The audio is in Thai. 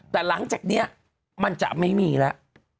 แต่หลังจากนี้มันจะไม่มีแล้ว